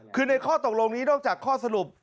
คือในข้อตกลงนี้นอกจากข้อสรุป